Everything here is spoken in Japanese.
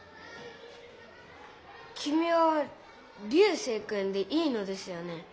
きみは流星君でいいのですよね？